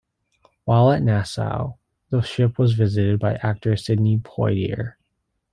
While at Nassau, the ship was visited by actor Sidney Poitier.